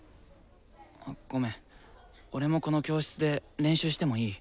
ごめん俺もこの教室で練習してもいい？